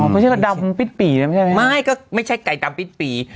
อ๋อไม่ใช่แบบดำปิดปี่เนี่ยไม่ใช่ไก่ดำปิดปี่